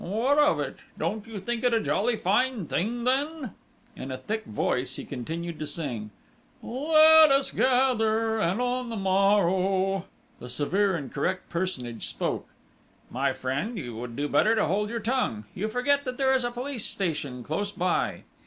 "What of it?... Don't you think it a jolly fine thing then?" In a thick voice he continued to sing: "Let us gather, and on the morrow..." The severe and correct personage spoke. "My friend, you would do better to hold your tongue!... You forget that there is a police station close by!..."